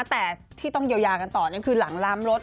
แต่ที่ต้องเยียวยากันต่อคือหลังล้ำรถ